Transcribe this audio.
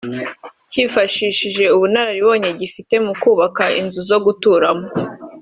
cyifashishije ubunararibonye gifite mu kubaka inzu zo guturamo